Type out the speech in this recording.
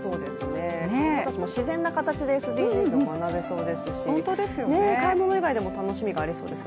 子供たちも自然な形でＳＤＧｓｇが学べそうですし買い物以外でも楽しみがありそうですね。